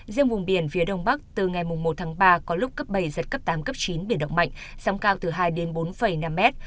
riêng vùng biển phía đông bắc từ ngày một ba có lúc cấp bảy dần cấp tám cấp chín biển động mạnh sóng cao hai bốn năm mét